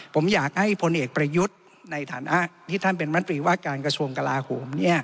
ผมอยากให้พลเอกประยุทธ์ในฐานะที่ท่านเป็นมตรีว่าการกระทรวงกลาโหม